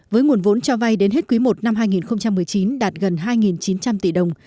với nguồn vốn cho vay đến hết quý i năm hai nghìn một mươi chín đạt gần hai chín trăm linh tỷ đồng